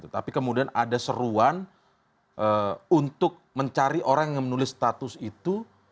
tapi kemudian ada seruan untuk mencari orang yang menulis status itu